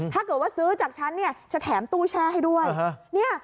ถ้าเกิดว่าซื้อจากฉันเนี่ยจะแถมตู้แช่ให้ด้วย